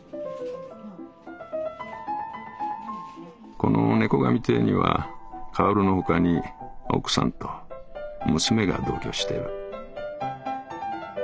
「この猫神亭には薫のほかに奥さんと娘が同居してる。